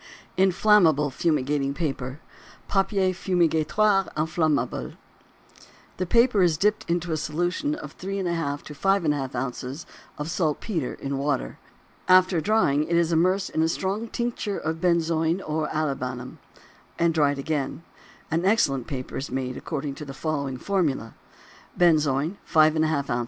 INFLAMMABLE FUMIGATING PAPER. Papier Fumigatoire Inflammable. The paper is dipped into a solution of 3½ to 5½ ounces of saltpetre in water; after drying it is immersed in a strong tincture of benzoin or olibanum and again dried. An excellent paper is made according to the following formula: Benzoin 5½ oz.